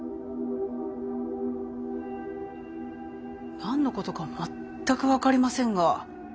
何のことか全く分かりませんが？